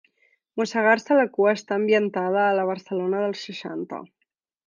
Mossegar-se la cua està ambientada a la Barcelona dels seixanta.